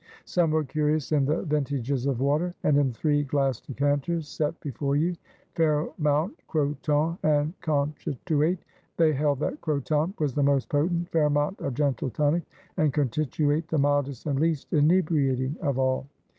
Some were curious in the vintages of waters; and in three glass decanters set before you, Fairmount, Croton, and Cochituate; they held that Croton was the most potent, Fairmount a gentle tonic, and Cochituate the mildest and least inebriating of all.